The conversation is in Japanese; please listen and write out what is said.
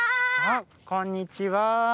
あっこんにちは。